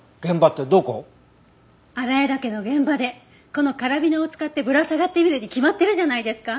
荒谷岳の現場でこのカラビナを使ってぶら下がってみるに決まってるじゃないですか。